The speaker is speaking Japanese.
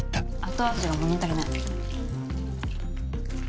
後味が物足りない。